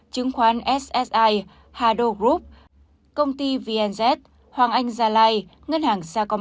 chứng khoán ssi hado group công ty vnz hoàng anh gia lai ngân hàng sa công